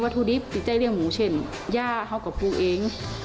ที่เขาปลูกเอง